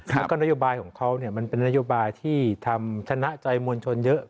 แล้วก็นโยบายของเขามันเป็นนโยบายที่ทำชนะใจมวลชนเยอะ